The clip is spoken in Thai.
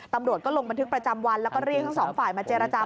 ตำรวจก็ลงบันทึกประจำวันแล้วก็เรียกทั้งสองฝ่ายมาเจรจา